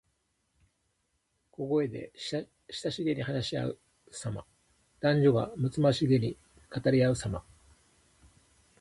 小声で親しげに話しあうさま。男女がむつまじげに語りあうさま。